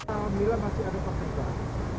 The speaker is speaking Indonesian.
alhamdulillah masih ada pekerja